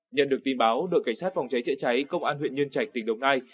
nhận được tin báo đội cảnh sát phòng cháy chữa cháy công an huyện nhân trạch tỉnh đồng nai